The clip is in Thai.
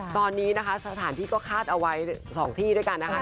ตอนนี้นะคะสถานที่ก็คาดเอาไว้๒ที่ด้วยกันนะคะ